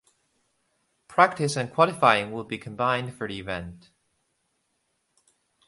Practice and qualifying would be combined for the event.